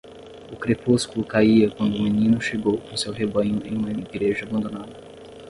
O crepúsculo caía quando o menino chegou com seu rebanho em uma igreja abandonada.